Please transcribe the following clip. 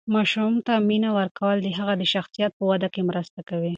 ماشوم ته مینه ورکول د هغه د شخصیت په وده کې مرسته کوي.